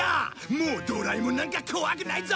もうドラえもんなんか怖くないぞ！